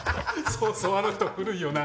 そうそうあの人古いよな。